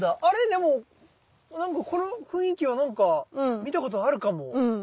でもこの雰囲気はなんか見たことあるかも。